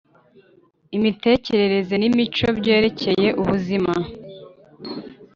imitekerereze n imico byerekeye ubuzima